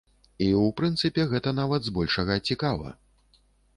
І, у прынцыпе, гэта нават збольшага цікава.